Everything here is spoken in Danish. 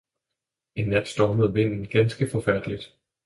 En nat stormede vinden ganske forfærdeligt.